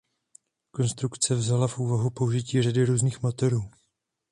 Konstrukce vzala v úvahu použití řady různých motorů.